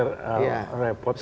repot gitu ya